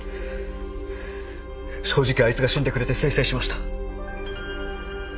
正直あいつが死んでくれてせいせいしました。